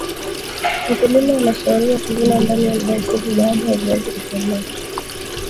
mkulima anshauriwa kuvuna ndani ya mda mfupi baada ya viazi kukomaa